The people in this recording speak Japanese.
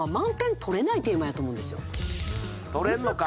取れんのか？